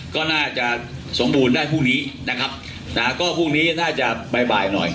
ก็น่าจะสมบูรณ์ได้พรุ่งนี้พรุ่งนี้น่าจะบ่ายหน่อย